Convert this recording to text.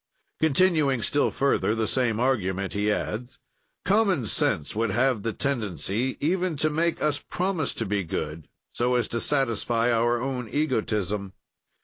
Continuing still further the same argument, he adds: "Common sense would have the tendency even to make us promise to be good, so as to satisfy our own egotism.